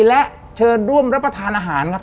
และเชิญร่วมรับประทานอาหารครับ